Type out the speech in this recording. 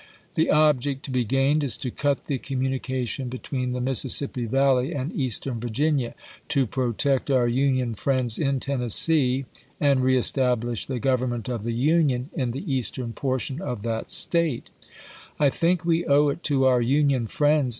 The object to be gained is to cut the communication between the Mississippi Valley and Eastern Vii'ginia ; to protect oui' Union 'toBueu, friends in Tennessee, and reestablish the Grovern Xov. 25, ' ^voi vii^' ''^^^^^^ the Union in the eastern portion of that P '• State," " I think we owe it to our Union friends Ibid..